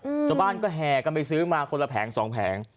ชาวบ้านก็แห่กันไปซื้อมาคนละแผงสองแผง